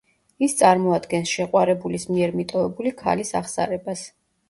ის წარმოადგენს შეყვარებულის მიერ მიტოვებული ქალის აღსარებას.